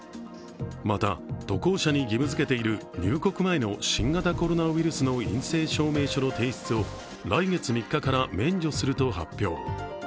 また、渡航者に義務づけている入国前の新型コロナウイルスの陰性証明書の提出を来月３日から免除すると発表。